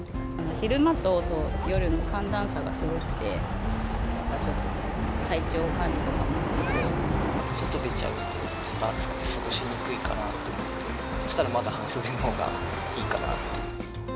昼間と夜の寒暖差がすごくて、ちょっと、外出ちゃうと、ちょっと暑くて過ごしにくいかなって思って、そうしたらまだ半袖のほうがいいかなっていう。